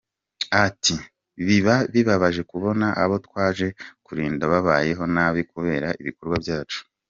Ati” Biba bibabaje kubona abo twaje kurinda babayeho nabi kubera ibikorwa byacu.